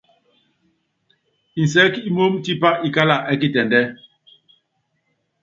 Nsɛɛ́k imoóní tipá ikála ɛ́ kitɛndɛ́.